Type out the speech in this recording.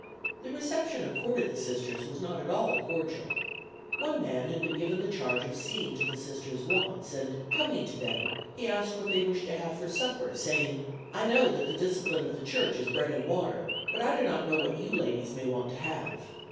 The reception accorded the Sisters was not at all cordial. One man had been given the charge of seeing to the Sisters' wants, and, coming to them he asked what they wished to have for supper, saying: "I know that the discipline of the Church is bread and water, but I do not know what you ladies may want to have."